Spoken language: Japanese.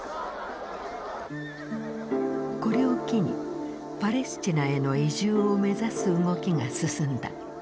これを機にパレスチナへの移住を目指す動きが進んだ。